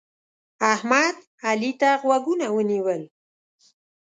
احمد؛ علي ته غوږونه ونیول.